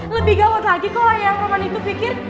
lebih gawat lagi kalau yang roman itu pikir